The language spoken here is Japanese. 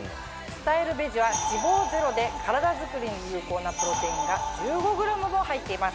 「スタイルベジ」は脂肪ゼロで体づくりに有効なプロテインが１５ｇも入っています。